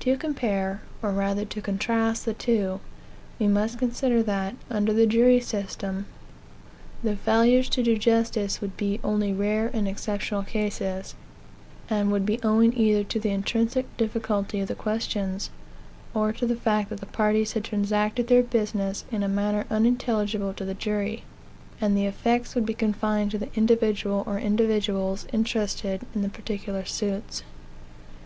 To compare, or rather to contrast, the two, we must consider that, under the jury system, the failures to do justice would be only rare and exceptional cases; and would be owing either to the intrinsic difficulty of the questions, or to the fact that the parties had. transacted their business in a manner unintelligible to the jury, and the effects would be confined to the individual or individuals interested in the particular suits.